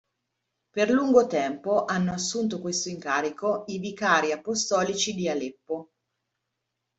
Per lungo tempo hanno assunto questo incarico i vicari apostolici di Aleppo.